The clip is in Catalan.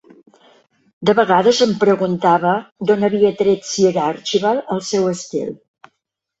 De vegades em preguntava d'on havia tret Sir Archibald el seu estil.